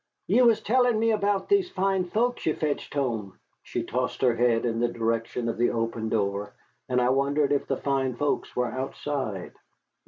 "Ye was tellin' me about these fine folks ye fetched home." She tossed her head in the direction of the open door, and I wondered if the fine folks were outside.